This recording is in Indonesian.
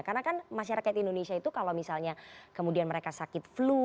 karena kan masyarakat indonesia itu kalau misalnya kemudian mereka sakit flu